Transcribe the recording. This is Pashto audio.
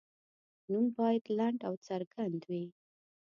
نوم باید لنډ او څرګند وي.